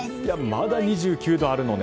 まだ２９度あるのね。